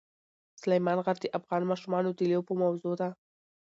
سلیمان غر د افغان ماشومانو د لوبو موضوع ده.